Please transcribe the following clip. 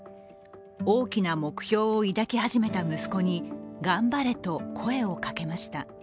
大きな目標を抱き始めた息子に頑張れと声をかけました。